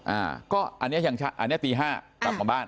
อ่าก็อันนี้ตี๕กลับบ้าน